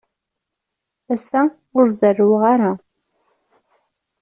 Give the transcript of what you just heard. Ass-a, ur zerrweɣ ara.